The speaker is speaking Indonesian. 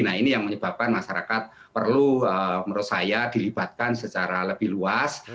nah ini yang menyebabkan masyarakat perlu menurut saya dilibatkan secara lebih luas